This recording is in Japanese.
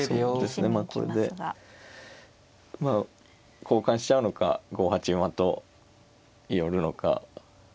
そうですねまあこれでまあ交換しちゃうのか５八馬と寄るのか。